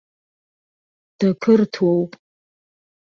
Дақырҭуоуп!